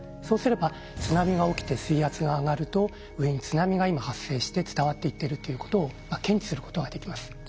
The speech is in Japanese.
そうすれば津波が起きて水圧が上がると上に津波が今発生して伝わっていってるということを検知することができます。